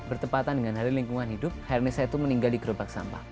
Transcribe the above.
bertepatan dengan hari lingkungan hidup hernis hetu meninggal di gerobak sampah